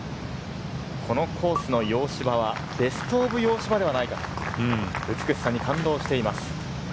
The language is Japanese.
このコースの洋芝はベストオブ洋芝ではないかと、美しさに感動しています。